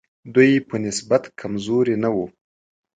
دوی په نسبت کمزوري نه وو.